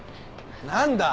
何だ？